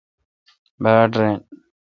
باڑ رین۔